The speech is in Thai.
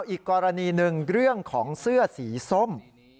อีกกรณีหนึ่งเรื่องของเสื้อสีส้ม